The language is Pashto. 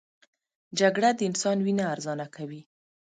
جګړه د انسان وینه ارزانه کوي